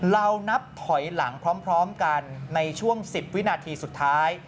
เรานับถอยหลังพร้อมกันในช่วง๑๐วินาทีสุดท้าย